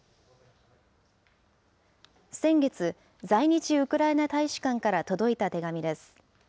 先月、在日ウクライナ大使館から届いた手紙です。